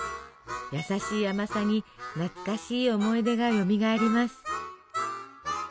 やさしい甘さに懐かしい思い出がよみがえります。